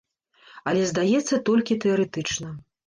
Але, здаецца, толькі тэарэтычна.